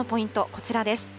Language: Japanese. こちらです。